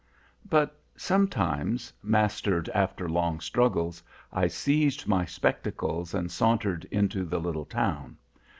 "But, sometimes, mastered after long struggles, I seized my spectacles and sauntered into the little town.